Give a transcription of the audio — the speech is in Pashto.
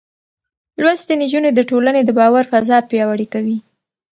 لوستې نجونې د ټولنې د باور فضا پياوړې کوي.